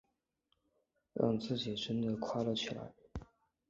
让自己真的快乐起来